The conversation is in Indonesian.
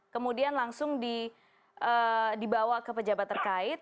kemudian langsung dibawa ke pejabat terkait